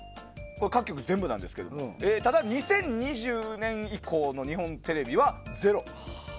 各局全部なんですけどただ２０２０年以降の日本テレビはゼロ。